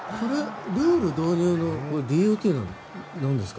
ルール導入の理由はなんですか？